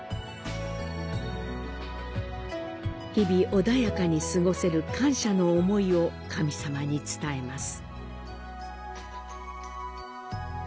日々穏やかに過ごせる感謝の思いを神様に伝えます。